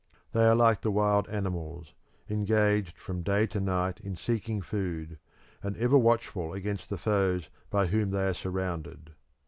They are like the wild animals, engaged from day to night in seeking food, and ever watchful against the foes by whom they are surrounded.